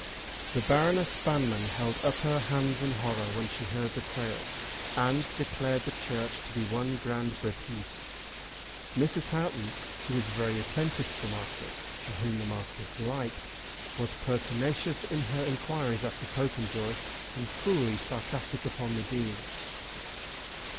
The Baroness Banmann held up her hands in horror when she heard the tale, and declared the Church to be one grand bêtise. Mrs. Houghton, who was very attentive to the Marquis and whom the Marquis liked, was pertinacious in her enquiries after Popenjoy, and cruelly sarcastic upon the Dean.